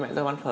mẹ tôi bán phở